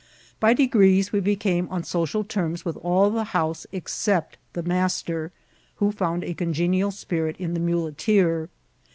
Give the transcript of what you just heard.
By degrees we became on social terms with all the house except the master, who found a congenial spirit in the muleteer.